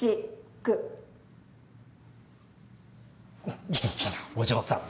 げ元気なお嬢さん。